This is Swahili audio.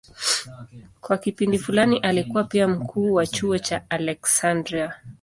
Kwa kipindi fulani alikuwa pia mkuu wa chuo cha Aleksandria.